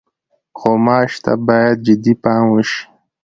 غوماشې ته باید جدي پام وشي.